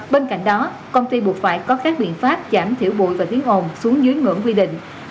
bên cạnh đó công ty buộc phải có các biện pháp giảm thiểu bụi và tiếng ồn xuống dưới ngưỡng quy định